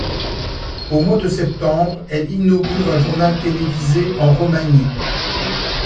Au mois de septembre, elle inaugure un journal télévisé en romani.